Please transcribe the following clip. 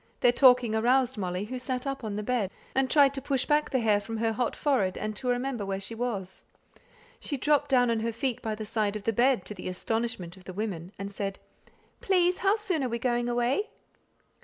Their talking aroused Molly, who sat up on the bed, and tried to push back the hair from her hot forehead, and to remember where she was. She dropped down on her feet by the side of the bed, to the astonishment of the women, and said, "Please, how soon are we going away?"